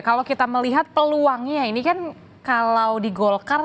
kalau kita melihat peluangnya ini kan kalau di golkar